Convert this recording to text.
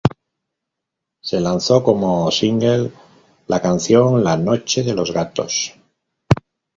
Se lanzó como single la canción ""La noche de los gatos"".